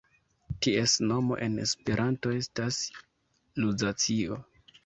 Ties nomo en Esperanto estas Luzacio.